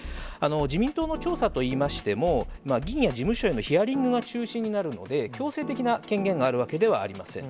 自民党の調査といいましても、議員や事務所へのヒアリングが中心になるので、強制的な権限があるわけではありません。